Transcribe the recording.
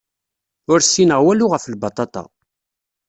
Ur ssineɣ walu ɣef lbaṭaṭa.